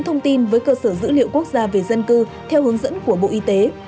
thông tin với cơ sở dữ liệu quốc gia về dân cư theo hướng dẫn của bộ y tế